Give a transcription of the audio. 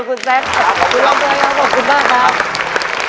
ขอบคุณทุกคนอย่างงี้ขอบคุณมากครับ